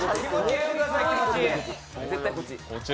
絶対こっち。